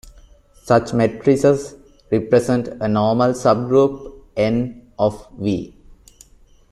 Such matrices represent a normal subgroup "N" of "V".